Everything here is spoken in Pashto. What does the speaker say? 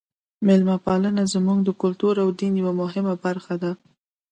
میلمه پالنه زموږ د کلتور او دین یوه مهمه برخه ده.